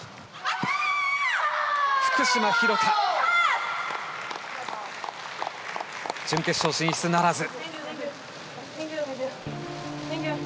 福島廣田準決勝進出ならず。